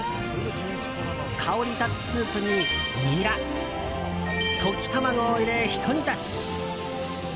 香り立つスープに、ニラ溶き卵を入れ、ひと煮立ち。